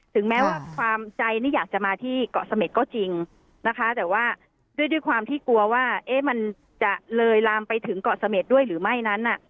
ถึงแม้ว่าความใจนี่อยากจะมาที่เกาะเสม็ดก็จริงนะคะแต่ว่าด้วยความที่กลัวว่ามันจะเลยลามไปถึงเกาะเสม็ดด้วยหรือไม่นั้น